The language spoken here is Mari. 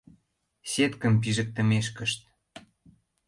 Сеткым пижыктымешкышт.